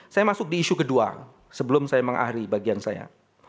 saya masuk di isu kedua sebelum saya mengakhiri bagian saya